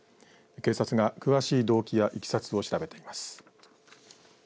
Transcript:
警察が詳しい動機やいきさつを調べています。